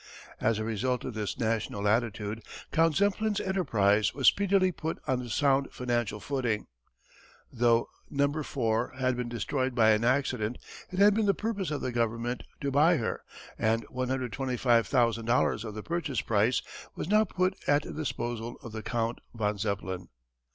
As a result of this national attitude Count Zeppelin's enterprise was speedily put on a sound financial footing. Though "No. IV." had been destroyed by an accident it had been the purpose of the government to buy her, and $125,000 of the purchase price was now put at the disposal of the Count von Zeppelin.